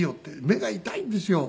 目が痛いんですよ。